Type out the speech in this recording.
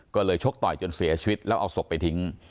ก็เลยชกต่อยจนเสียชีวิตแล้วเอาศพไปทิ้ง